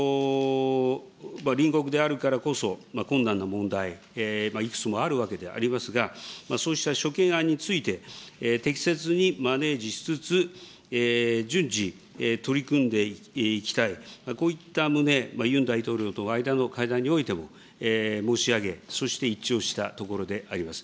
隣国であるからこそ困難な問題、いくつもあるわけでありますが、そうした諸懸案について、適切にマネージしつつ、順次、取り組んでいきたい、こういった旨、ユン大統領との間の会談においても申し上げ、そして一致をしたところであります。